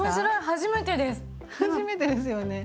初めてですよね。